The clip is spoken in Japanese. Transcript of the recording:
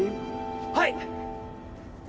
はい！